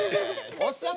おっさん